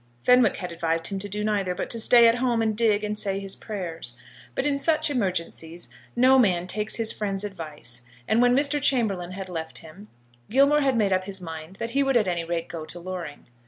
Fenwick had advised him to do neither, but to stay at home and dig and say his prayers. But in such emergencies no man takes his friend's advice; and when Mr. Chamberlaine had left him, Gilmore had made up his mind that he would at any rate go to Loring.